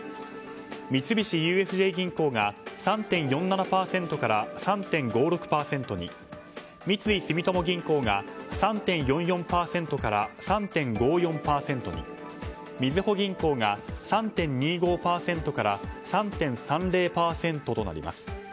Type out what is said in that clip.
三菱ＵＦＪ銀行が３．４７％から３．５６％に三井住友銀行が３．４４％から３．５４％にみずほ銀行が３．２５％から３．３０％となります。